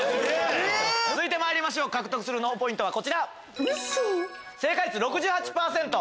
え⁉続いてまいりましょう獲得する脳ポイントはこちら！